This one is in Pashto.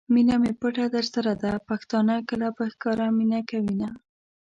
مینه می پټه درسره ده ؛ پښتانه کله په ښکاره مینه کوینه